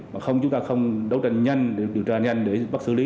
mà không chúng ta không đấu tranh nhanh để điều tra nhanh để bắt xử lý